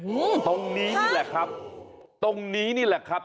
ตรงนี้นี่แหละครับตรงนี้นี่แหละครับ